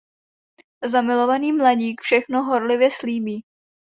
Zamilovaný mladík všechno horlivě slíbí.